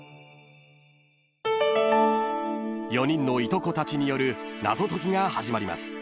［４人のいとこたちによる謎解きが始まります］